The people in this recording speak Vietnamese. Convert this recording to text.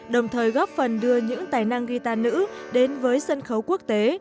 đồng thời góp phần đưa những tài năng guitar nữ đến với sân khấu quốc tế